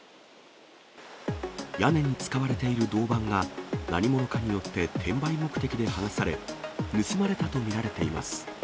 屋根に使われている銅板が、何者かによって転売目的で剥がされ、盗まれたと見られています。